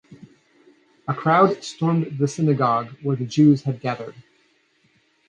A crowd stormed the synagogue where the Jews had gathered.